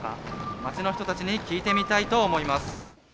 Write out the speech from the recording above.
街の人たちに聞いてみたいと思います。